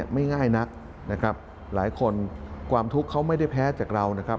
ไม่ง่ายนักหลายคนความทุกข์เขาไม่ได้แพ้จากเรา